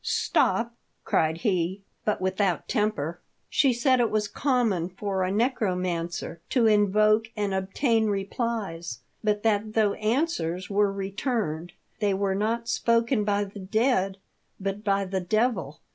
"Stop!" cried he, but without temper. " She said it was common for a necromancer to invoke and obtain replies; but that though answers were returned, they were not spoken by the dead, but by the Devil.